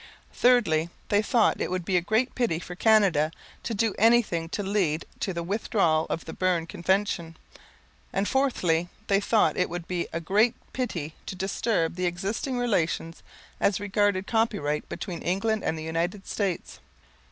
Thirdly, they thought it would be a great pity for Canada to do anything to lead to the withdrawal of the Berne Convention; and fourthly, they thought it would be a great pity to disturb the existing relations as regarded copyright between England and the United States.